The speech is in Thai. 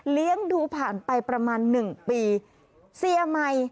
เลี้ยงดูผ่านไปประมาณหนึ่งปี